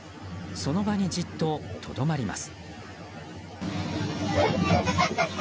その場にじっととどまります。